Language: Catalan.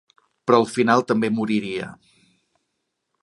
Però al final també moriria.